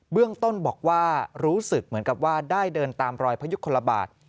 ต้นบอกว่ารู้สึกเหมือนกับว่าได้เดินตามรอยพยุคลบาท